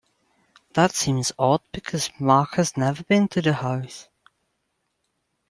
That seems odd because Mark has never been to the house.